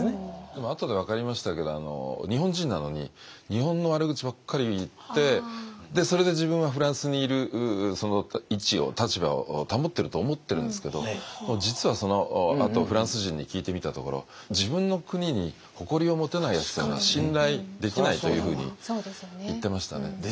でもあとで分かりましたけど日本人なのに日本の悪口ばっかり言ってでそれで自分はフランスにいる位置を立場を保ってると思ってるんですけど実はそのあとフランス人に聞いてみたところ自分の国に誇りを持てないやつというのは信頼できないというふうに言ってましたね。